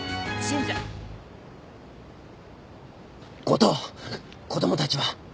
五島子供たちは？